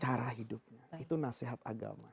cara hidupnya itu nasihat agama